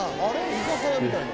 居酒屋みたいな。